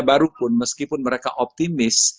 baru pun meskipun mereka optimis